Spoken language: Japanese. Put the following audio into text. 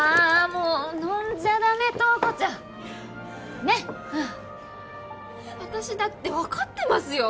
もう飲んじゃダメ塔子ちゃんねっうん私だって分かってますよ